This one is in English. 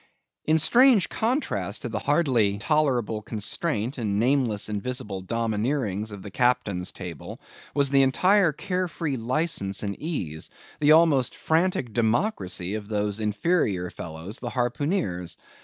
In strange contrast to the hardly tolerable constraint and nameless invisible domineerings of the captain's table, was the entire care free license and ease, the almost frantic democracy of those inferior fellows the harpooneers.